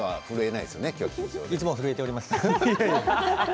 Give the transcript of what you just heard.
いつも震えております。